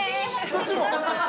そっちも？